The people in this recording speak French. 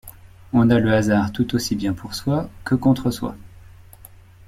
On a le hasard tout aussi bien pour soi que contre soi.